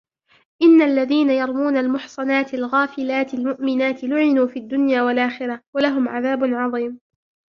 إن الذين يرمون المحصنات الغافلات المؤمنات لعنوا في الدنيا والآخرة ولهم عذاب عظيم